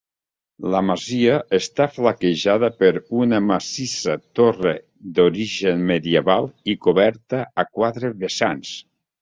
La masia està flanquejada per una massissa torre d'origen medieval i coberta a quatre vessants.